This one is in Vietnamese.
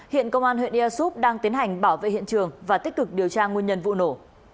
hiện công an huyện ea súp đang tiến hành bảo vệ hiện trường và tích cực điều tra nguyên nhân vụ nổ